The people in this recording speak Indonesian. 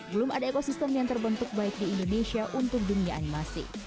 belum ada ekosistem yang terbentuk baik di indonesia untuk dunia animasi